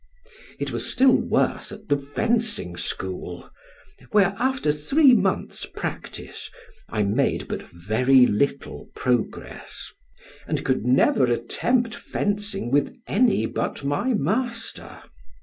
It was still worse at the fencing school, where, after three months' practice, I made but very little progress, and could never attempt fencing with any but my master.